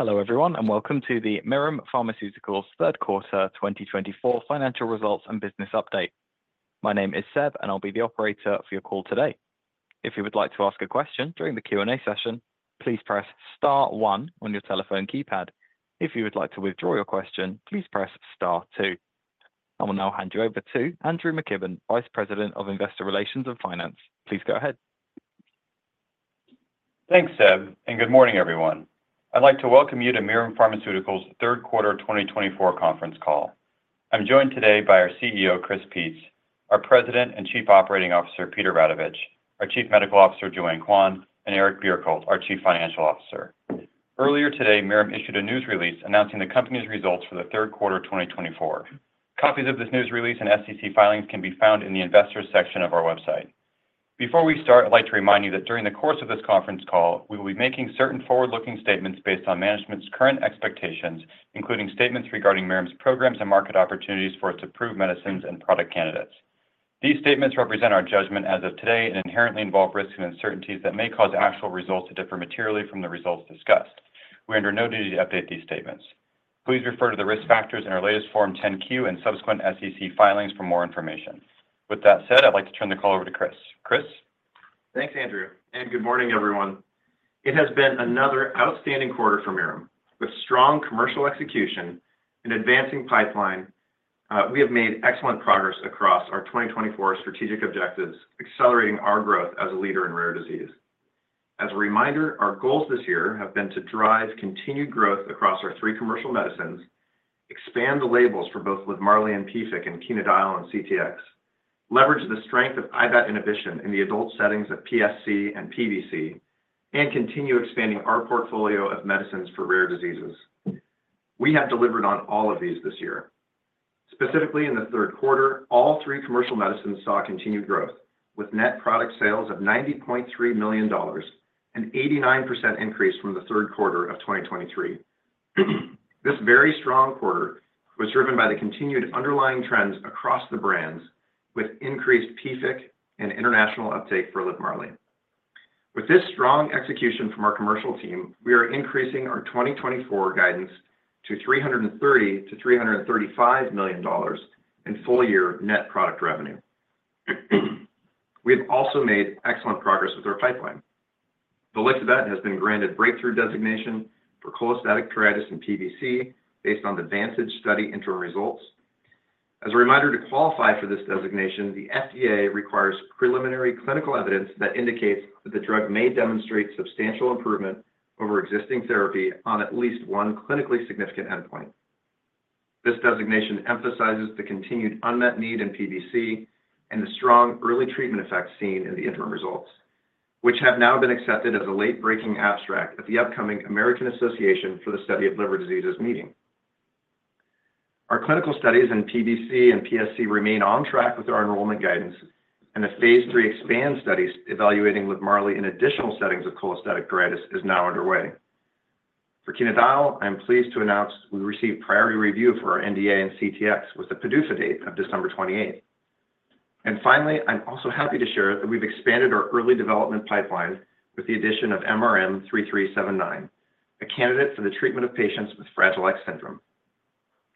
Hello everyone, and welcome to the Mirum Pharmaceuticals third quarter 2024 financial results and business update. My name is Seb, and I'll be the operator for your call today. If you would like to ask a question during the Q&A session, please press *1* on your telephone keypad. If you would like to withdraw your question, please press *2*. I will now hand you over to Andrew McKibben, Vice President of Investor Relations and Finance. Please go ahead. Thanks, Seb, and good morning everyone. I'd like to welcome you to Mirum Pharmaceuticals third quarter 2024 conference call. I'm joined today by our CEO, Chris Peetz, our President and Chief Operating Officer, Peter Radovich, our Chief Medical Officer, Joanne Quan, and Eric Bjerkholt, our Chief Financial Officer. Earlier today, Mirum issued a news release announcing the company's results for the third quarter 2024. Copies of this news release and SEC filings can be found in the Investors section of our website. Before we start, I'd like to remind you that during the course of this conference call, we will be making certain forward-looking statements based on management's current expectations, including statements regarding Mirum's programs and market opportunities for its approved medicines and product candidates. These statements represent our judgment as of today and inherently involve risks and uncertainties that may cause actual results to differ materially from the results discussed. We are under no duty to update these statements. Please refer to the risk factors in our latest Form 10-Q and subsequent SEC filings for more information. With that said, I'd like to turn the call over to Chris. Chris? Thanks, Andrew, and good morning everyone. It has been another outstanding quarter for Mirum. With strong commercial execution and advancing pipeline, we have made excellent progress across our 2024 strategic objectives, accelerating our growth as a leader in rare disease. As a reminder, our goals this year have been to drive continued growth across our three commercial medicines, expand the labels for both LIVMARLI and PFIC, and Chenodal and CTX, leverage the strength of IBAT inhibition in the adult settings of PSC and PBC, and continue expanding our portfolio of medicines for rare diseases. We have delivered on all of these this year. Specifically, in the third quarter, all three commercial medicines saw continued growth, with net product sales of $90.3 million and an 89% increase from the third quarter of 2023. This very strong quarter was driven by the continued underlying trends across the brands, with increased PFIC and international uptake for LIVMARLI. With this strong execution from our commercial team, we are increasing our 2024 guidance to $330-$335 million in full-year net product revenue. We have also made excellent progress with our pipeline. Volixibat has been granted breakthrough designation for cholestatic pruritus in PBC based on the VANTAGE study interim results. As a reminder to qualify for this designation, the FDA requires preliminary clinical evidence that indicates that the drug may demonstrate substantial improvement over existing therapy on at least one clinically significant endpoint. This designation emphasizes the continued unmet need in PBC and the strong early treatment effects seen in the interim results, which have now been accepted as a late-breaking abstract at the upcoming American Association for the Study of Liver Diseases meeting. Our clinical studies in PBC and PSC remain on track with our enrollment guidance, and a phase 3 EXPAND study evaluating LIVMARLI in additional settings of cholestatic pruritus is now underway. For Chenodal, I'm pleased to announce we received priority review for our NDA and CTX with a PDUFA date of December 28th. And finally, I'm also happy to share that we've expanded our early development pipeline with the addition of MRM-3379, a candidate for the treatment of patients with Fragile X syndrome.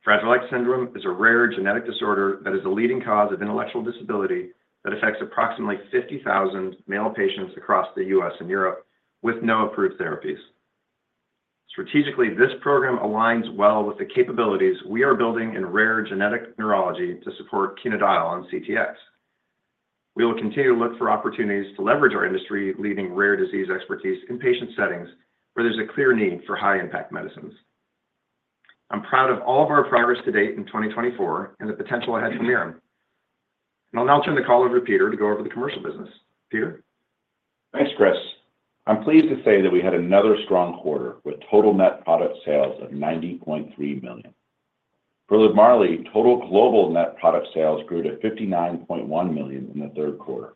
Fragile X syndrome is a rare genetic disorder that is the leading cause of intellectual disability that affects approximately 50,000 male patients across the U.S. and Europe, with no approved therapies. Strategically, this program aligns well with the capabilities we are building in rare genetic neurology to support Chenodal and CTX. We will continue to look for opportunities to leverage our industry-leading rare disease expertise in patient settings where there's a clear need for high-impact medicines. I'm proud of all of our progress to date in 2024 and the potential ahead for Mirum. And I'll now turn the call over to Peter to go over the commercial business. Peter? Thanks, Chris. I'm pleased to say that we had another strong quarter with total net product sales of $90.3 million. For Livmarli, total global net product sales grew to $59.1 million in the third quarter.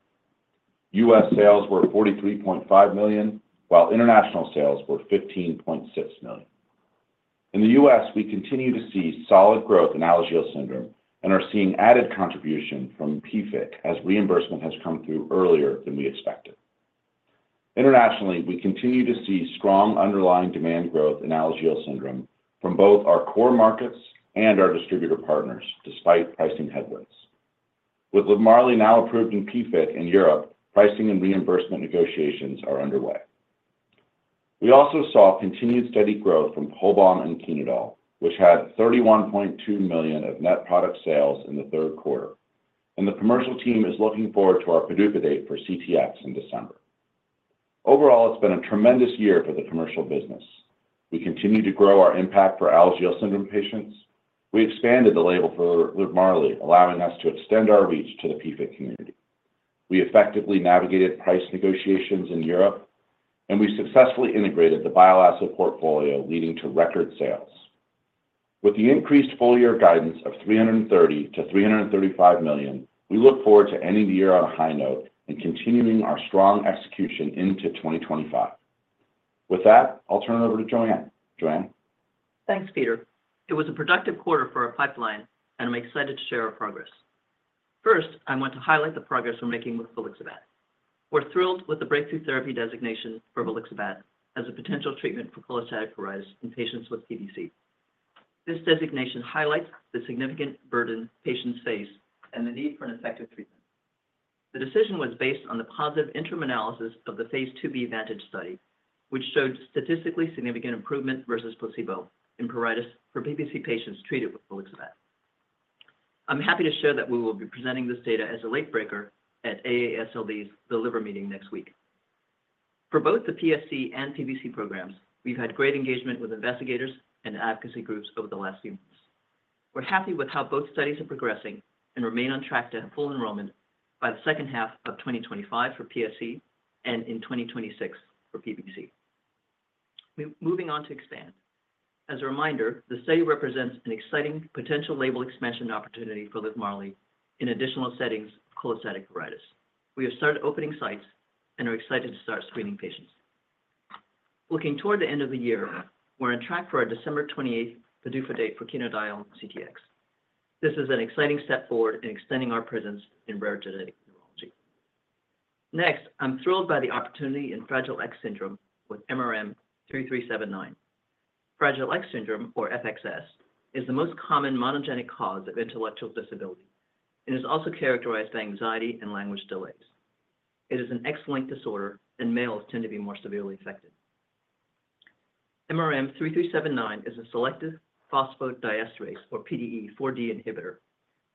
U.S. sales were $43.5 million, while international sales were $15.6 million. In the U.S., we continue to see solid growth in Alagille syndrome and are seeing added contribution from PFIC as reimbursement has come through earlier than we expected. Internationally, we continue to see strong underlying demand growth in Alagille syndrome from both our core markets and our distributor partners, despite pricing headwinds. With Livmarli now approved in PFIC in Europe, pricing and reimbursement negotiations are underway. We also saw continued steady growth from Cholbam and Chenodal, which had $31.2 million of net product sales in the third quarter, and the commercial team is looking forward to our PDUFA date for CTX in December. Overall, it's been a tremendous year for the commercial business. We continue to grow our impact for Alagille syndrome patients. We expanded the label for LIVMARLI, allowing us to extend our reach to the PFIC community. We effectively navigated price negotiations in Europe, and we successfully integrated the bile acid portfolio, leading to record sales. With the increased full-year guidance of $330 million-$335 million, we look forward to ending the year on a high note and continuing our strong execution into 2025. With that, I'll turn it over to Joanne. Joanne? Thanks, Peter. It was a productive quarter for our pipeline, and I'm excited to share our progress. First, I want to highlight the progress we're making with Volixibat. We're thrilled with the breakthrough therapy designation for Volixibat as a potential treatment for cholestatic pruritus in patients with PBC. This designation highlights the significant burden patients face and the need for an effective treatment. The decision was based on the positive interim analysis of the phase 2b VANTAGE study, which showed statistically significant improvement versus placebo in pruritus for PBC patients treated with Volixibat. I'm happy to share that we will be presenting this data as a late breaker at AASLD's The Liver Meeting next week. For both the PSC and PBC programs, we've had great engagement with investigators and advocacy groups over the last few months. We're happy with how both studies are progressing and remain on track to have full enrollment by the second half of 2025 for PSC and in 2026 for PBC. Moving on to EXPAND. As a reminder, the study represents an exciting potential label expansion opportunity for Livmarli in additional settings of cholestatic pruritus. We have started opening sites and are excited to start screening patients. Looking toward the end of the year, we're on track for our December 28th PDUFA date for Chenodal and CTX. This is an exciting step forward in extending our presence in rare genetic neurology. Next, I'm thrilled by the opportunity in Fragile X syndrome with MRM-3379. Fragile X syndrome, or FXS, is the most common monogenic cause of intellectual disability and is also characterized by anxiety and language delays. It is an X-linked disorder, and males tend to be more severely affected. MRM-3379 is a selective phosphodiesterase, or PDE4D inhibitor,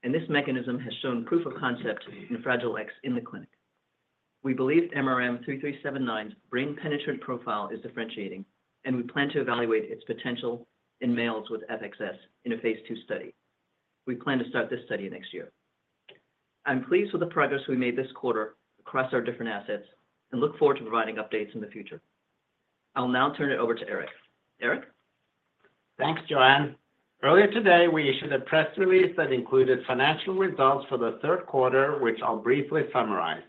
and this mechanism has shown proof of concept in Fragile X in the clinic. We believe MRM-3379's brain penetrant profile is differentiating, and we plan to evaluate its potential in males with FXS in a phase 2 study. We plan to start this study next year. I'm pleased with the progress we made this quarter across our different assets and look forward to providing updates in the future. I'll now turn it over to Eric. Eric? Thanks, Joanne. Earlier today, we issued a press release that included financial results for the third quarter, which I'll briefly summarize.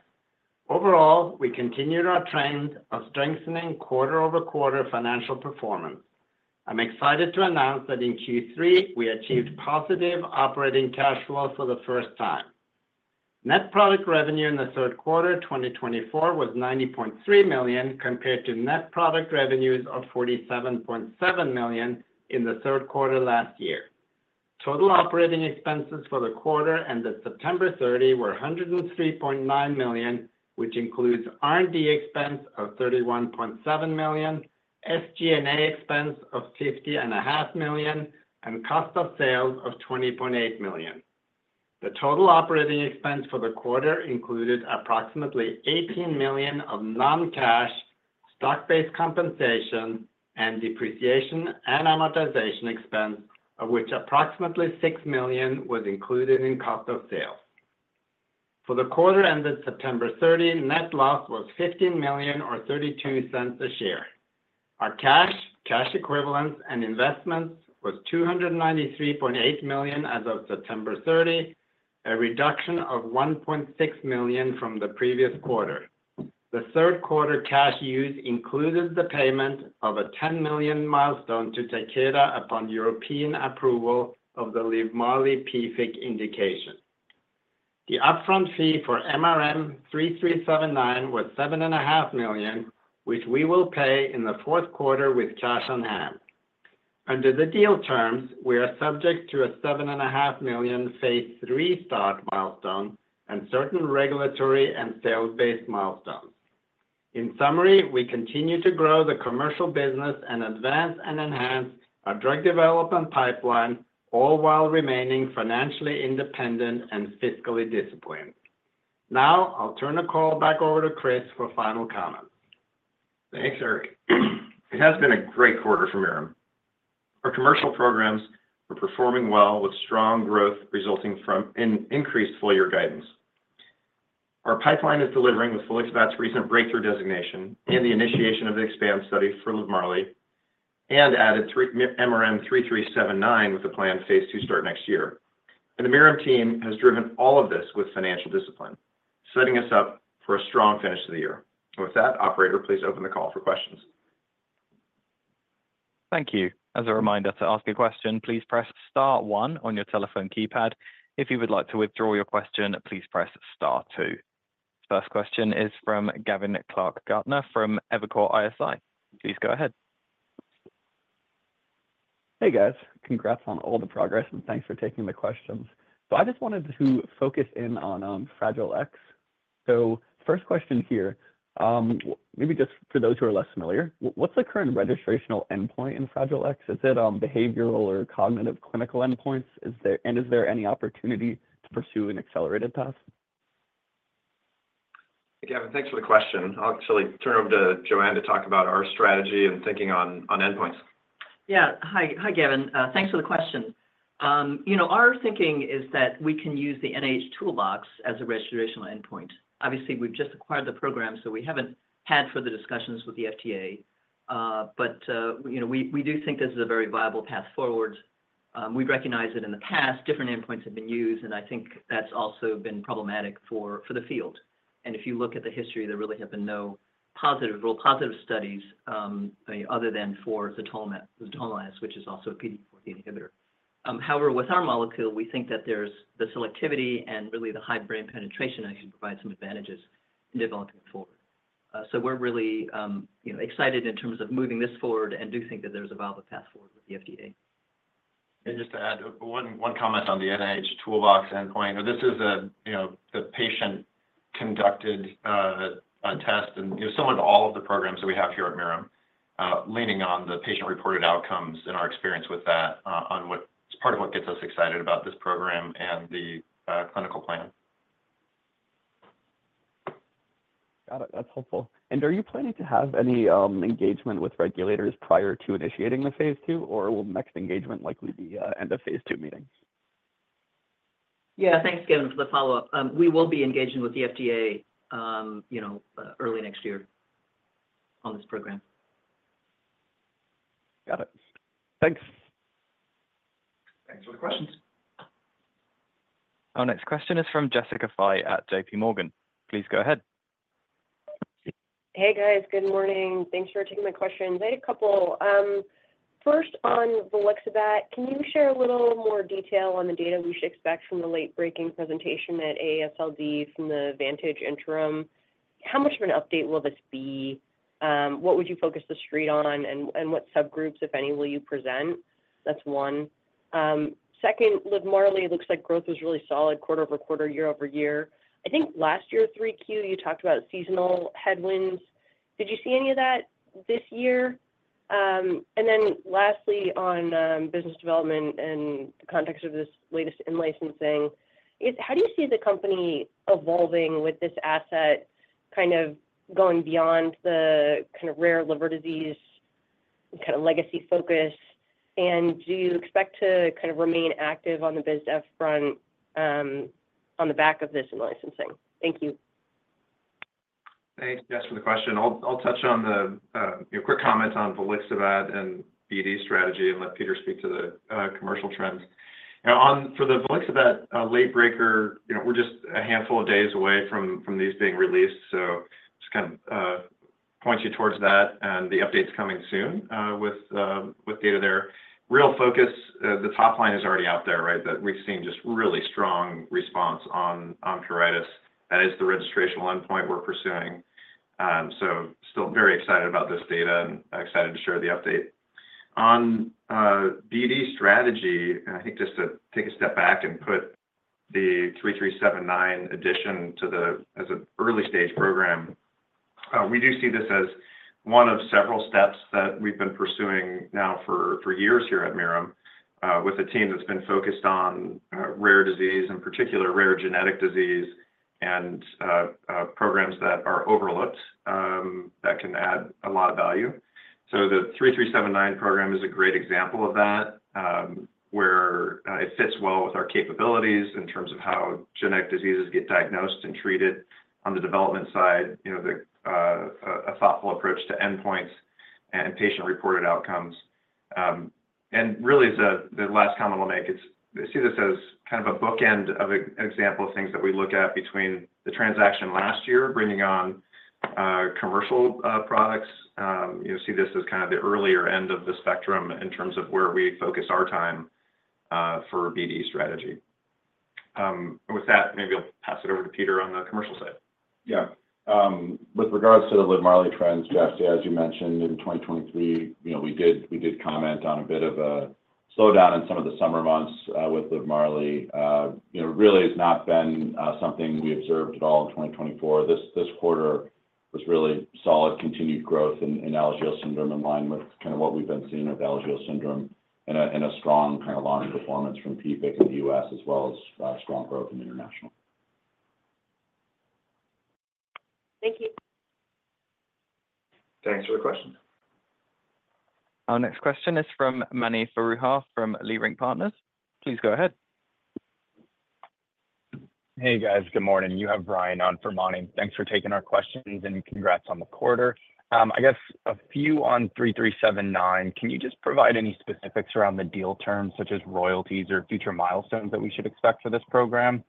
Overall, we continued our trend of strengthening quarter-over-quarter financial performance. I'm excited to announce that in Q3, we achieved positive operating cash flow for the first time. Net product revenue in the third quarter 2024 was $90.3 million compared to net product revenues of $47.7 million in the third quarter last year. Total operating expenses for the quarter ended September 30 were $103.9 million, which includes R&D expense of $31.7 million, SG&A expense of $50.5 million, and cost of sales of $20.8 million. The total operating expense for the quarter included approximately $18 million of non-cash stock-based compensation and depreciation and amortization expense, of which approximately $6 million was included in cost of sales. For the quarter ended September 30, net loss was $15 million, or $0.32 a share. Our cash, cash equivalents, and investments was $293.8 million as of September 30, a reduction of $1.6 million from the previous quarter. The third quarter cash use included the payment of a $10 million milestone to Takeda upon European approval of the Livmarli PFIC indication. The upfront fee for MRM-3379 was $7.5 million, which we will pay in the fourth quarter with cash on hand. Under the deal terms, we are subject to a $7.5 million phase 3 start milestone and certain regulatory and sales-based milestones. In summary, we continue to grow the commercial business and advance and enhance our drug development pipeline, all while remaining financially independent and fiscally disciplined. Now, I'll turn the call back over to Chris for final comments. Thanks, Eric. It has been a great quarter for Mirum. Our commercial programs are performing well with strong growth resulting from increased full-year guidance. Our pipeline is delivering with Volixibat's recent breakthrough designation and the initiation of the EXPAND study for Livmarli and added MRM-3379 with a planned phase 2 start next year. And the Mirum team has driven all of this with financial discipline, setting us up for a strong finish of the year. And with that, operator, please open the call for questions. Thank you. As a reminder to ask a question, please press Star 1 on your telephone keypad. If you would like to withdraw your question, please press Star 2. First question is from Gavin Clark-Gartner from Evercore ISI. Please go ahead. Hey, guys. Congrats on all the progress, and thanks for taking the questions. So I just wanted to focus in on Fragile X. So first question here, maybe just for those who are less familiar, what's the current registrational endpoint in Fragile X? Is it behavioral or cognitive clinical endpoints? And is there any opportunity to pursue an accelerated path? Hey, Gavin. Thanks for the question. I'll actually turn it over to Joanne to talk about our strategy and thinking on endpoints. Yeah. Hi, Gavin. Thanks for the question. You know, our thinking is that we can use the NIH Toolbox as a registrational endpoint. Obviously, we've just acquired the program, so we haven't had further discussions with the FDA. But we do think this is a very viable path forward. We recognize that in the past, different endpoints have been used, and I think that's also been problematic for the field. And if you look at the history, there really have been no positive real positive studies other than for Zatolmilast, which is also a PDE4D inhibitor. However, with our molecule, we think that there's the selectivity and really the high brain penetration actually provides some adVANTAGEs in developing forward. So we're really excited in terms of moving this forward and do think that there's a viable path forward with the FDA. And just to add one comment on the NIH Toolbox endpoint. This is a patient-conducted test, and similar to all of the programs that we have here at Mirum, leaning on the patient-reported outcomes and our experience with that, as part of what gets us excited about this program and the clinical plan. Got it. That's helpful. And are you planning to have any engagement with regulators prior to initiating the phase 2, or will next engagement likely be end of phase 2 meeting? Yeah, thanks, Gavin, for the follow-up. We will be engaging with the FDA early next year on this program. Got it. Thanks. Thanks for the questions. Our next question is from Jessica Fye at J.P. Morgan. Please go ahead. Hey, guys. Good morning. Thanks for taking my questions. I had a couple. First, on Volixibat, can you share a little more detail on the data we should expect from the late-breaking presentation at AASLD from the VANTAGE interim? How much of an update will this be? What would you focus the street on, and what subgroups, if any, will you present? That's one. Second, Livmarli, it looks like growth was really solid quarter over quarter, year over year. I think last year 3Q, you talked about seasonal headwinds. Did you see any of that this year? And then lastly, on business development and the context of this latest in-licensing, how do you see the company evolving with this asset kind of going beyond the kind of rare liver disease kind of legacy focus? Do you expect to kind of remain active on the biz dev front on the back of this in-licensing? Thank you. Thanks, Jess, for the question. I'll touch on the quick comments on Volixibat and BD strategy and let Peter speak to the commercial trends. For the Volixibat late breaker, we're just a handful of days away from these being released, so just kind of point you towards that and the updates coming soon with data there. Real focus, the top line is already out there, right, that we've seen just really strong response on pruritus. That is the registrational endpoint we're pursuing. So still very excited about this data and excited to share the update. On BD strategy, I think just to take a step back and put the 3379 addition as an early-stage program, we do see this as one of several steps that we've been pursuing now for years here at Mirum with a team that's been focused on rare disease, in particular rare genetic disease and programs that are overlooked that can add a lot of value. So the 3379 program is a great example of that, where it fits well with our capabilities in terms of how genetic diseases get diagnosed and treated on the development side, a thoughtful approach to endpoints and patient-reported outcomes. And really, the last comment I'll make, I see this as kind of a bookend of an example of things that we look at between the transaction last year bringing on commercial products. You'll see this as kind of the earlier end of the spectrum in terms of where we focus our time for BD strategy. With that, maybe I'll pass it over to Peter on the commercial side. Yeah. With regards to the Livmarli trends, Jess, as you mentioned, in 2023, we did comment on a bit of a slowdown in some of the summer months with Livmarli. Really, it's not been something we observed at all in 2024. This quarter was really solid continued growth in Alagille syndrome in line with kind of what we've been seeing with Alagille syndrome and a strong kind of launch performance from PFIC in the U.S., as well as strong growth in international. Thank you. Thanks for the question. Our next question is from Mani Foroohar from Leerink Partners. Please go ahead. Hey, guys. Good morning. You have Brian on for Mani. Thanks for taking our questions and congrats on the quarter. I guess a few on 3379. Can you just provide any specifics around the deal terms, such as royalties or future milestones that we should expect for this program?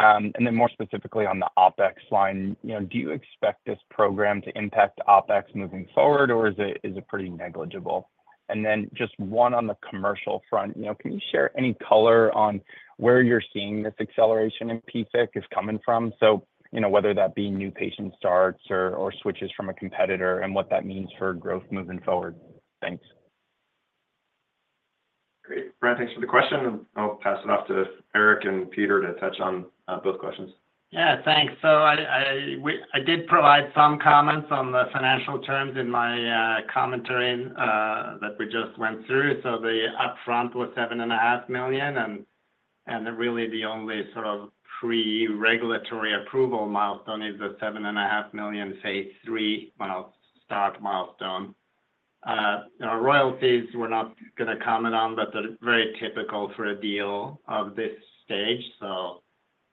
And then more specifically on the OpEx line, do you expect this program to impact OpEx moving forward, or is it pretty negligible? And then just one on the commercial front, can you share any color on where you're seeing this acceleration in Livmarli is coming from? So whether that be new patient starts or switches from a competitor and what that means for growth moving forward. Thanks. Great. Brent, thanks for the question. I'll pass it off to Eric and Peter to touch on both questions. Yeah, thanks. So I did provide some comments on the financial terms in my commentary that we just went through. So the upfront was $7.5 million, and really the only sort of pre-regulatory approval milestone is the $7.5 million phase 3 start milestone. Our royalties we're not going to comment on, but they're very typical for a deal of this stage,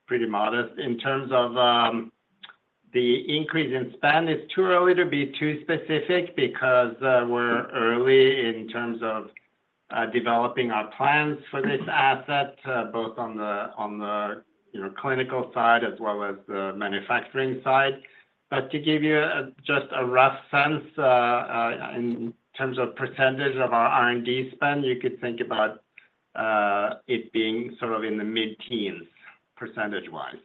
so pretty modest. In terms of the increase in spend, it's too early to be too specific because we're early in terms of developing our plans for this asset, both on the clinical side as well as the manufacturing side. But to give you just a rough sense in terms of percentage of our R&D spend, you could think about it being sort of in the mid-teens percentage-wise.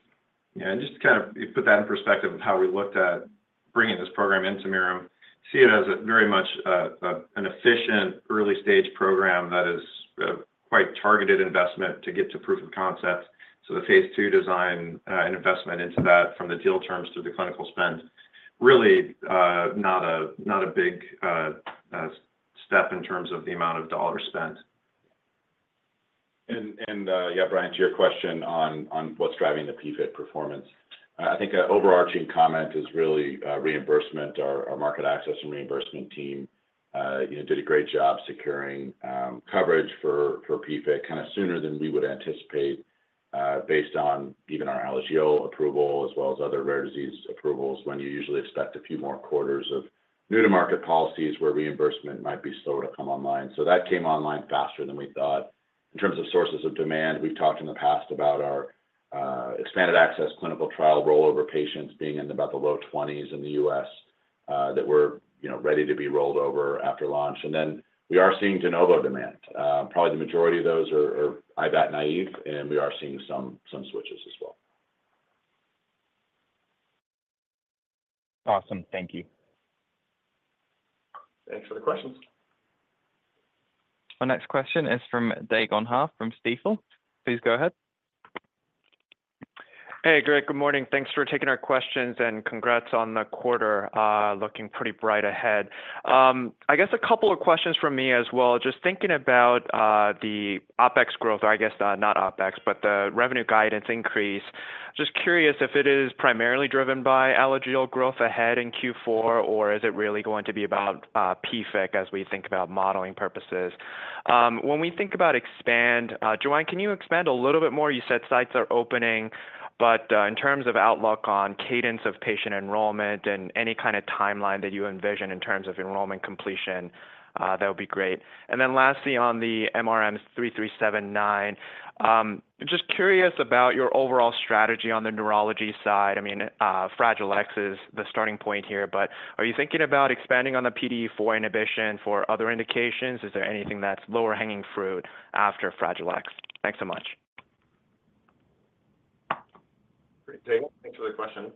Yeah, and just to kind of put that in perspective of how we looked at bringing this program into Mirum, see it as very much an efficient early-stage program that is quite targeted investment to get to proof of concept. So the phase 2 design and investment into that from the deal terms to the clinical spend, really not a big step in terms of the amount of dollars spent. And yeah, Brian, to your question on what's driving the Livmarli performance, I think an overarching comment is really reimbursement. Our market access and reimbursement team did a great job securing coverage for Livmarli kind of sooner than we would anticipate based on even our Alagille approval as well as other rare disease approvals when you usually expect a few more quarters of new-to-market policies where reimbursement might be slow to come online. That came online faster than we thought. In terms of sources of demand, we've talked in the past about our expanded access clinical trial rollover patients being in about the low 20s in the U.S. that were ready to be rolled over after launch. Then we are seeing de novo demand. Probably the majority of those are IBAT naive, and we are seeing some switches as well. Awesome. Thank you. Thanks for the questions. Our next question is from Dae Gon Ha from Stifel. Please go ahead. Hey, Greg. Good morning. Thanks for taking our questions and congrats on the quarter looking pretty bright ahead. I guess a couple of questions for me as well. Just thinking about the OpEx growth, or I guess not OpEx, but the revenue guidance increase, just curious if it is primarily driven by Alagille growth ahead in Q4, or is it really going to be about PFIC as we think about modeling purposes? When we think about expand, Joanne, can you expand a little bit more? You said sites are opening, but in terms of outlook on cadence of patient enrollment and any kind of timeline that you envision in terms of enrollment completion, that would be great. And then lastly, on the MRM-3379, just curious about your overall strategy on the neurology side. I mean, Fragile X is the starting point here, but are you thinking about expanding on the PDE4 inhibition for other indications? Is there anything that's lower-hanging fruit after Fragile X? Thanks so much. Great, Dae. Thanks for the question.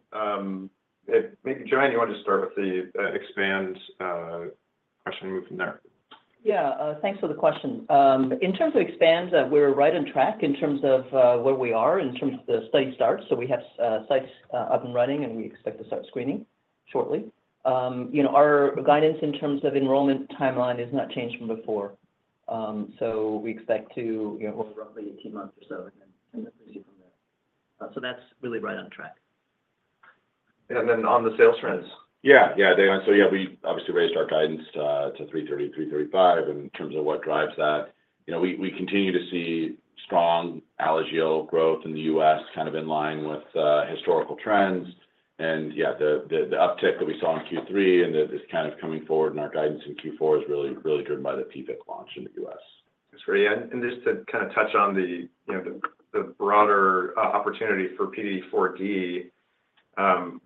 Maybe Joanne, you want to start with the expand question and move from there? Yeah. Thanks for the question. In terms of EXPAND, we're right on track in terms of where we are in terms of the study start. So we have sites up and running, and we expect to start screening shortly. Our guidance in terms of enrollment timeline has not changed from before. So we expect to over roughly 18 months or so, and then proceed from there. So that's really right on track. And then on the sales trends? Yeah. Yeah, Dae. So yeah, we obviously raised our guidance to $330 million-$335 million in terms of what drives that. We continue to see strong Livmarli growth in the U.S. kind of in line with historical trends. And yeah, the uptick that we saw in Q3 and this kind of coming forward in our guidance in Q4 is really driven by the PFIC launch in the U.S. That's great. And just to kind of touch on the broader opportunity for PDE4D,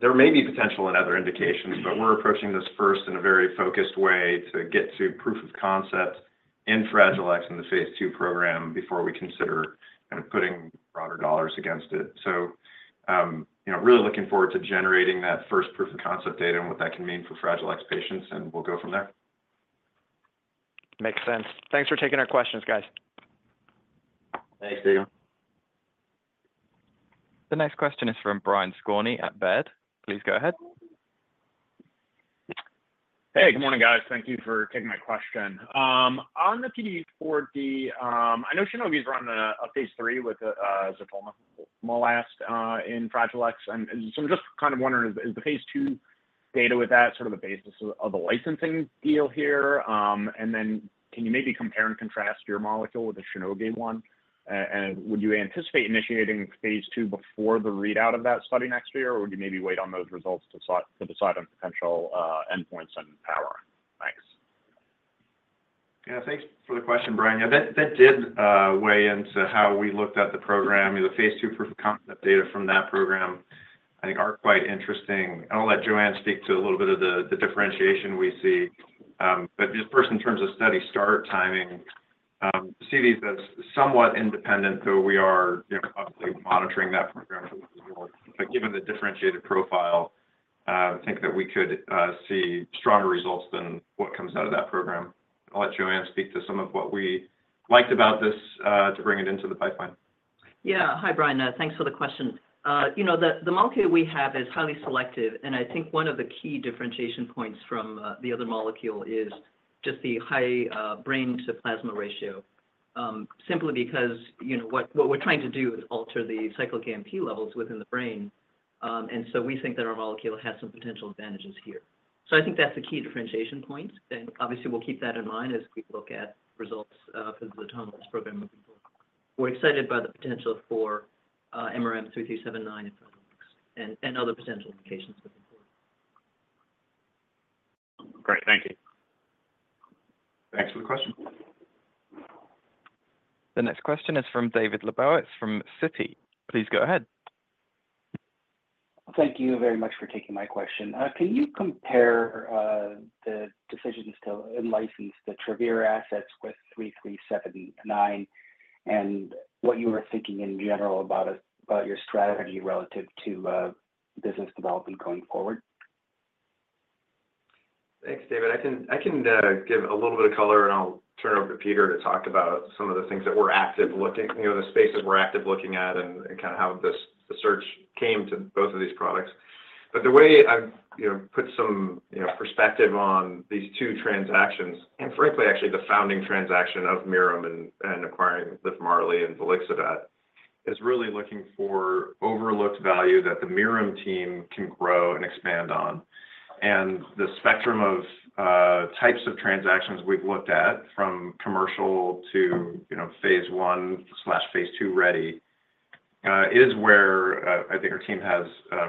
there may be potential in other indications, but we're approaching this first in a very focused way to get to proof of concept in Fragile X in the phase 2 program before we consider kind of putting broader dollars against it. So really looking forward to generating that first proof of concept data and what that can mean for Fragile X patients, and we'll go from there. Makes sense. Thanks for taking our questions, guys. Thanks, Dae. The next question is from Brian Skorney at Baird. Please go ahead. Hey, good morning, guys. Thank you for taking my question. On the PDE4D, I know Shionogi is running a phase 3 with Zatolmilast in Fragile X. So I'm just kind of wondering, is the phase 2 data with that sort of the basis of the licensing deal here? And then can you maybe compare and contrast your molecule with the Shionogi one? And would you anticipate initiating phase 2 before the readout of that study next year, or would you maybe wait on those results to decide on potential endpoints and power? Thanks. Yeah, thanks for the question, Brian. That did weigh into how we looked at the program. The phase 2 proof of concept data from that program, I think, are quite interesting. I'll let Joanne speak to a little bit of the differentiation we see. But just first, in terms of study start timing, I see these as somewhat independent, though we are obviously monitoring that program for the results. But given the differentiated profile, I think that we could see stronger results than what comes out of that program. I'll let Joanne speak to some of what we liked about this to bring it into the pipeline. Yeah. Hi, Brian. Thanks for the question. The molecule we have is highly selective, and I think one of the key differentiation points from the other molecule is just the high brain-to-plasma ratio, simply because what we're trying to do is alter the cyclic AMP levels within the brain. And so we think that our molecule has some potential adVANTAGEs here. So I think that's the key differentiation point. And obviously, we'll keep that in mind as we look at results for the zatolmilast program moving forward. We're excited by the potential for MRM-3379 and other potential indications moving forward. Great. Thank you. Thanks for the question. The next question is from David Lebowitz from Citi. Please go ahead. Thank you very much for taking my question. Can you compare the decisions to license the Travere assets with 3379 and what you were thinking in general about your strategy relative to business development going forward? Thanks, David. I can give a little bit of color, and I'll turn it over to Peter to talk about some of the things that we're actively looking at the spaces and kind of how the search came to both of these products. But the way I put some perspective on these two transactions, and frankly, actually the founding transaction of Mirum and acquiring LIVMARLI and Volixibat, is really looking for overlooked value that the Mirum team can grow and expand on, and the spectrum of types of transactions we've looked at from commercial to phase 1/phase 2 ready is where I think our team has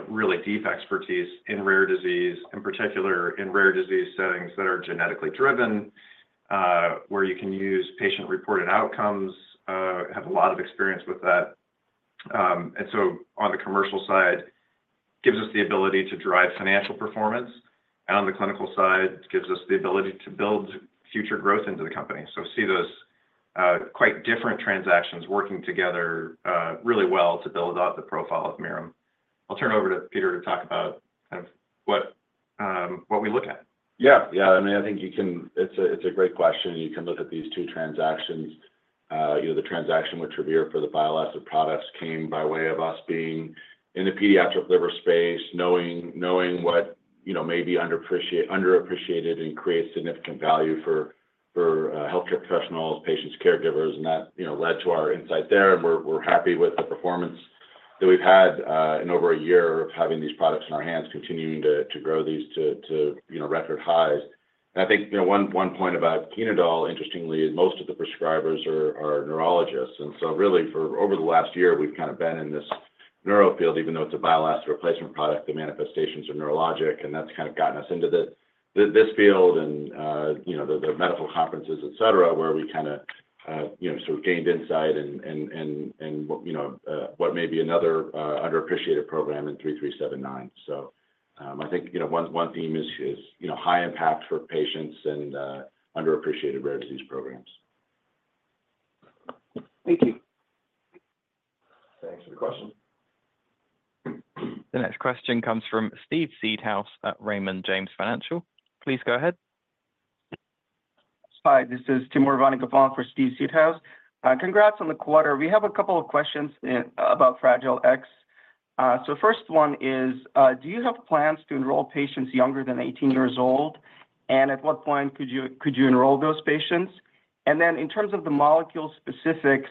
really deep expertise in rare disease, in particular in rare disease settings that are genetically driven, where you can use patient-reported outcomes. I have a lot of experience with that. And so on the commercial side, it gives us the ability to drive financial performance. And on the clinical side, it gives us the ability to build future growth into the company. So I see those quite different transactions working together really well to build out the profile of Mirum. I'll turn it over to Peter to talk about kind of what we look at. Yeah. Yeah. I mean, I think it's a great question. You can look at these two transactions. The transaction with Travere for the bile acid products came by way of us being in the pediatric liver space, knowing what may be underappreciated and creates significant value for healthcare professionals, patients, caregivers, and that led to our insight there. And we're happy with the performance that we've had in over a year of having these products in our hands, continuing to grow these to record highs. And I think one point about Chenodal, interestingly, is most of the prescribers are neurologists. Really, for over the last year, we've kind of been in this neuro field, even though it's a bile acid replacement product, the manifestations are neurologic, and that's kind of gotten us into this field and the medical conferences, etc., where we kind of sort of gained insight in what may be another underappreciated program in 3379. I think one theme is high impact for patients and underappreciated rare disease programs. Thank you. Thanks for the question. The next question comes from Steve Seedhouse at Raymond James Financial. Please go ahead. Hi. This is Timur Ivannikov for Steve Seedhouse. Congrats on the quarter. We have a couple of questions about Fragile X. So the first one is, do you have plans to enroll patients younger than 18 years old? And at what point could you enroll those patients? And then in terms of the molecule specifics,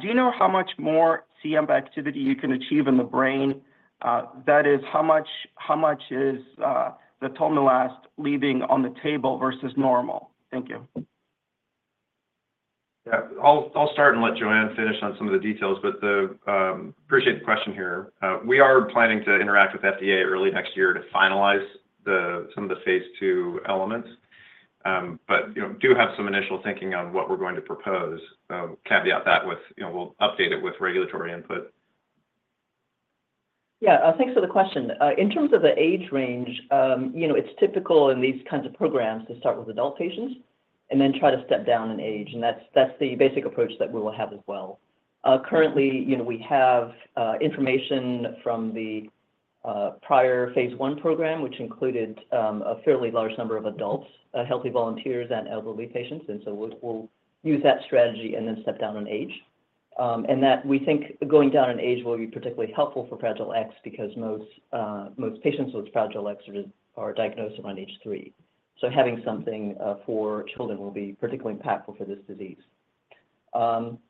do you know how much more cAMP activity you can achieve in the brain? That is, how much is the zatolmilast leaving on the table versus normal? Thank you. Yeah. I'll start and let Joanne finish on some of the details, but I appreciate the question here. We are planning to interact with FDA early next year to finalize some of the phase 2 elements, but do have some initial thinking on what we're going to propose. Caveat that with we'll update it with regulatory input. Yeah. Thanks for the question. In terms of the age range, it's typical in these kinds of programs to start with adult patients and then try to step down in age, and that's the basic approach that we will have as well. Currently, we have information from the prior phase 1 program, which included a fairly large number of adults, healthy volunteers, and elderly patients, and so we'll use that strategy and then step down in age, and we think going down in age will be particularly helpful for Fragile X because most patients with Fragile X are diagnosed around age three, so having something for children will be particularly impactful for this disease.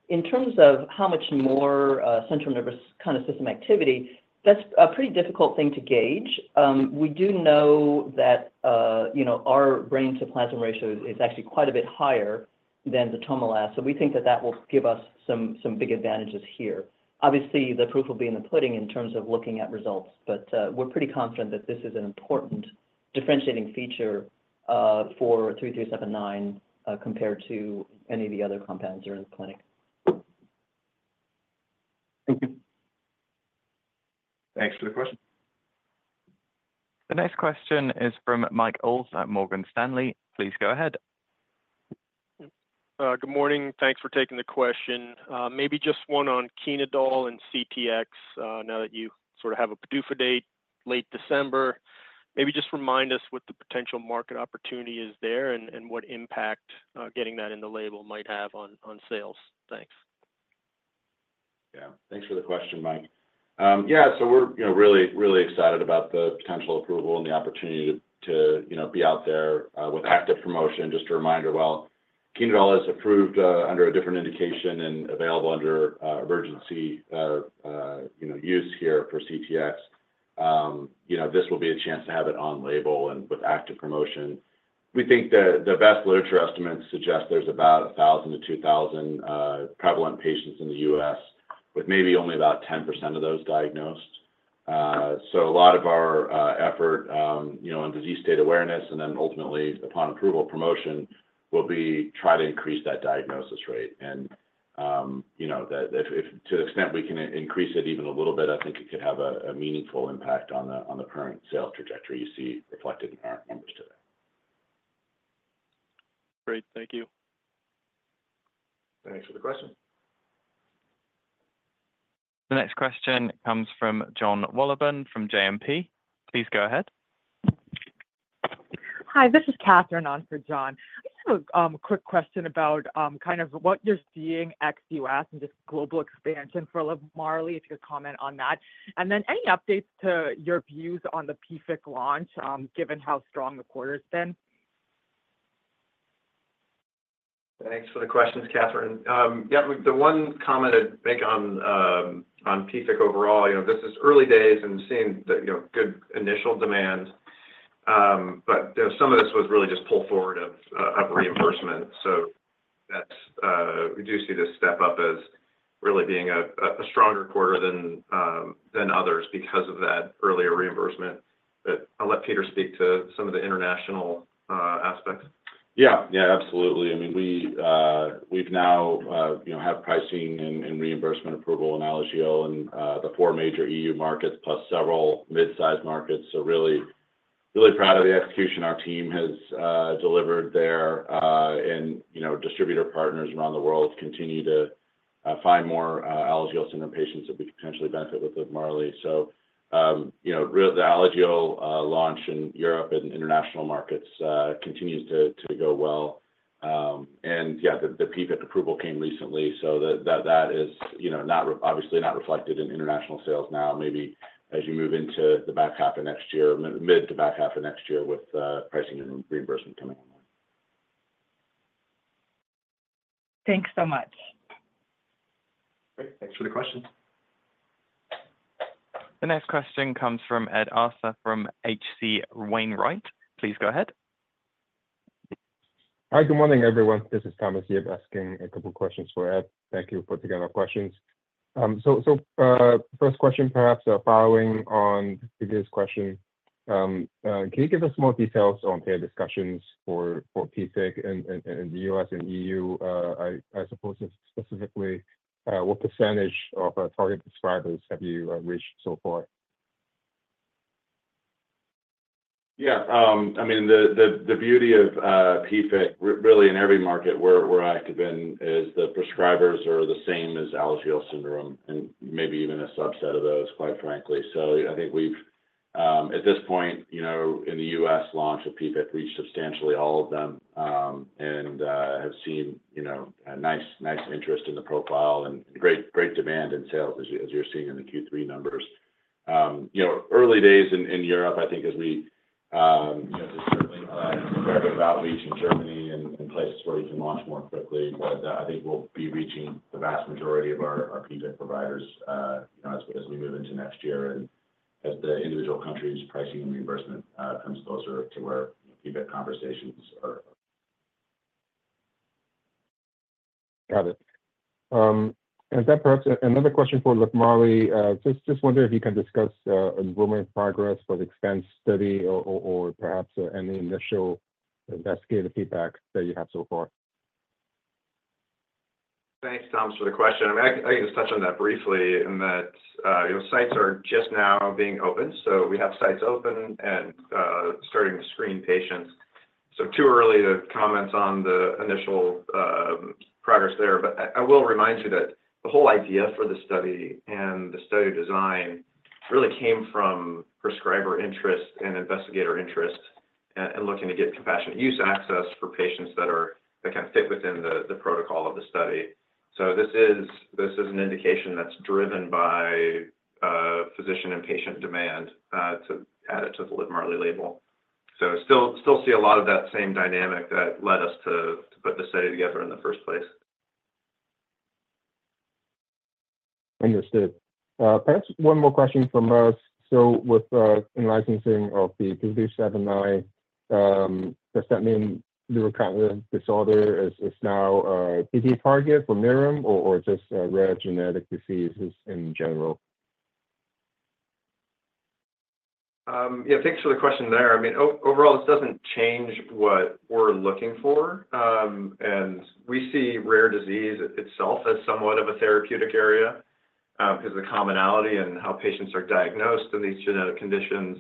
In terms of how much more central nervous kind of system activity, that's a pretty difficult thing to gauge. We do know that our brain-to-plasma ratio is actually quite a bit higher than zatolmilast, so we think that that will give us some big adVANTAGEs here. Obviously, the proof will be in the pudding in terms of looking at results, but we're pretty confident that this is an important differentiating feature for 3379 compared to any of the other compounds that are in the clinic. Thank you. Thanks for the question. The next question is from Mike Ulz at Morgan Stanley. Please go ahead. Good morning. Thanks for taking the question. Maybe just one on Chenodal and CTX now that you sort of have a PDUFA date late December. Maybe just remind us what the potential market opportunity is there and what impact getting that in the label might have on sales. Thanks. Yeah. Thanks for the question, Mike. Yeah. So we're really, really excited about the potential approval and the opportunity to be out there with active promotion. Just a reminder, while Chenodal is approved under a different indication and available under emergency use here for CTX, this will be a chance to have it on label and with active promotion. We think the best literature estimates suggest there's about 1,000-2,000 prevalent patients in the U.S., with maybe only about 10% of those diagnosed. So a lot of our effort on disease state awareness and then ultimately, upon approval, promotion will be to try to increase that diagnosis rate. And to the extent we can increase it even a little bit, I think it could have a meaningful impact on the current sales trajectory you see reflected in our numbers today. Great. Thank you. Thanks for the question. The next question comes from Jon Wolleben from JMP. Please go ahead. Hi. This is Catherine on for John. I just have a quick question about kind of what you're seeing ex-U.S. and just global expansion for Livmarli, if you could comment on that. And then any updates to your views on the PFIC launch given how strong the quarter's been? Thanks for the questions, Catherine. Yeah. The one comment I'd make on PFIC overall, this is early days and seeing good initial demand, but some of this was really just pull forward of reimbursement. So we do see this step up as really being a stronger quarter than others because of that earlier reimbursement. But I'll let Peter speak to some of the international aspects. Yeah. Yeah, absolutely. I mean, we now have pricing and reimbursement approval in Alagille and the four major EU markets plus several mid-sized markets. So really proud of the execution our team has delivered there. And distributor partners around the world continue to find more Alagille center patients that would potentially benefit with LIVMARLI. So the Alagille launch in Europe and international markets continues to go well. And yeah, the PFIC approval came recently, so that is obviously not reflected in international sales now, maybe as you move into the back half of next year, mid to back half of next year with pricing and reimbursement coming online. Thanks so much. Great. Thanks for the question. The next question comes from Ed Arce from H.C. Wainwright. Please go ahead. Hi. Good morning, everyone. This is Thomas here asking a couple of questions for Ed. Thank you for taking our questions. So first question, perhaps a follow-up on previous question. Can you give us more details on payer discussions for PFIC in the U.S. and EU? I suppose specifically, what percentage of target prescribers have you reached so far? Yeah. I mean, the beauty of PFIC really in every market where I have been is the prescribers are the same as Alagille syndrome and maybe even a subset of those, quite frankly. So I think we've, at this point in the U.S. launch of PFIC, reached substantially all of them and have seen nice interest in the profile and great demand in sales as you're seeing in the Q3 numbers. Early days in Europe, I think, as we certainly are outreaching Germany and places where you can launch more quickly, but I think we'll be reaching the vast majority of our PFIC providers as we move into next year and as the individual countries' pricing and reimbursement comes closer to where PFIC conversations are. Got it, and perhaps another question for Livmarli. Just wondering if you can discuss enrollment progress for the EXPAND study or perhaps any initial investigator feedback that you have so far. Thanks, Thomas, for the question. I mean, I can just touch on that briefly in that sites are just now being opened. So we have sites open and starting to screen patients. So too early to comment on the initial progress there. But I will remind you that the whole idea for the study and the study design really came from prescriber interest and investigator interest and looking to get compassionate use access for patients that kind of fit within the protocol of the study. So this is an indication that's driven by physician and patient demand to add it to the LIVMARLI label. So still see a lot of that same dynamic that led us to put the study together in the first place. Understood. Perhaps one more question from us. So with the licensing of the 3379, does that mean neurocognitive disorder is now a PD target for Mirum or just rare genetic diseases in general? Yeah. Thanks for the question there. I mean, overall, this doesn't change what we're looking for. And we see rare disease itself as somewhat of a therapeutic area because of the commonality and how patients are diagnosed in these genetic conditions,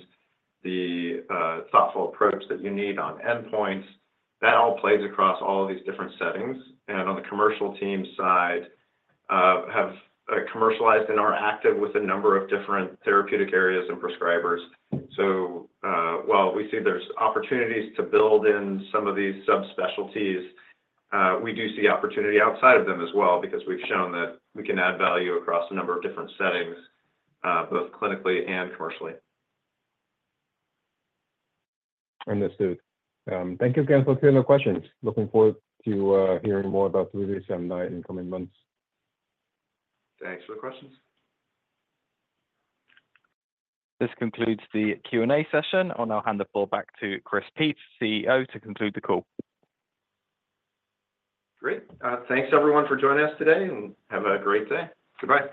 the thoughtful approach that you need on endpoints. That all plays across all of these different settings. And on the commercial team side, have commercialized and are active with a number of different therapeutic areas and prescribers. So while we see there's opportunities to build in some of these subspecialties, we do see opportunity outside of them as well because we've shown that we can add value across a number of different settings, both clinically and commercially. Understood. Thank you again for the questions. Looking forward to hearing more about 3379 in the coming months. Thanks for the questions. This concludes the Q&A session. I'll now hand the floor back to Chris Peetz, CEO, to conclude the call. Great. Thanks, everyone, for joining us today, and have a great day. Goodbye.